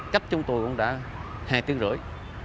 cách chúng tôi cũng đã hai tiếng rưỡi